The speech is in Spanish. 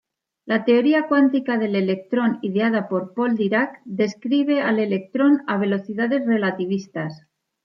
La teoría cuántica del electrón ideada Paul Dirac describe al electrón a velocidades relativistas.